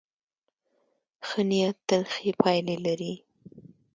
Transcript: ښه نیت تل ښې پایلې لري.